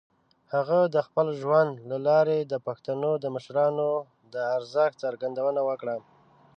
هغه د خپل ژوند له لارې د پښتنو د مشرانو د ارزښت څرګندونه وکړه.